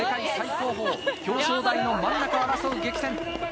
表彰台の真ん中を争う激戦。